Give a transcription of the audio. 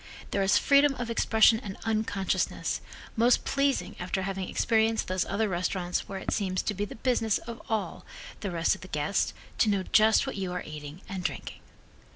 There is freedom of expression and unconsciousness, most pleasing after having experienced those other restaurants where it seems to be the business of all the rest of the guests to know just what you are eating and drinking.